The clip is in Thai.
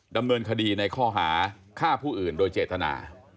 ดำเนินคดีในข้อหาฆ่าผู้อื่นโดยเจตนา